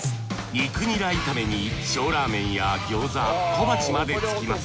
肉ニラいために小ラーメンや餃子小鉢までつきます。